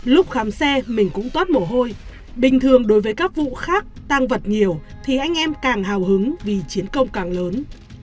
lúc khám xe mình cũng toát mồ hôi bình thường đối với các vụ khác tăng vật nhiều thì anh em càng hào hứng vì chiến công càng lớn